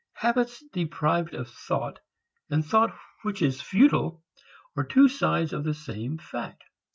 Habits deprived of thought and thought which is futile are two sides of the same fact.